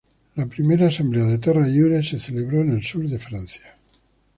La primera Asamblea de Terra Lliure se celebró en el sur de Francia.